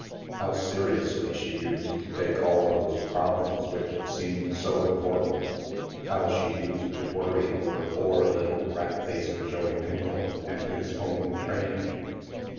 How seriously she used to take all those problems which seemed so important! How she used to worry over poor little rat faced Joey Mengle and his home training